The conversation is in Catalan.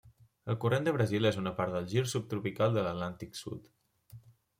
El Corrent de Brasil és una part del Gir Subtropical de l'Atlàntic Sud.